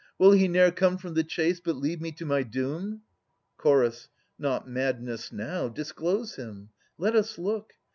Will he ne'er Come from the chase, but leave me to my doom? Ch. Not madness now. Disclose him. Let us look.